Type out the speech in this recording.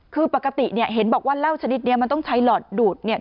คือปกติเนี่ยเห็นบอกว่าเหล้าชนิดนี้มันต้องใช้หลอดดูดเนี่ย